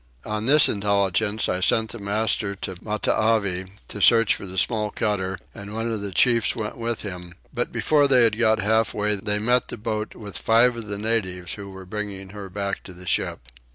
On this intelligence I sent the master to Matavai to search for the small cutter, and one of the chiefs went with him; but before they had got halfway they met the boat with five of the natives who were bringing her back to the ship.